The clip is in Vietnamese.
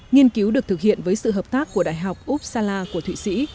nghiên cứu được thực hiện với sự hợp tác của đại học úpsala của thụy sĩ